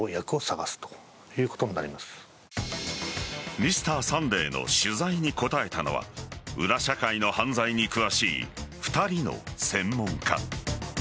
「Ｍｒ．サンデー」の取材に答えたのは裏社会の犯罪に詳しい２人の専門家。